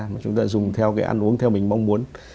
mà chúng ta dùng theo cái ăn uống theo mình mong muốn